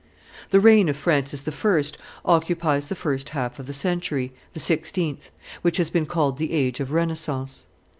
The reign of Francis I. occupies the first half of the century (the sixteenth), which has been called the age of Renaissance.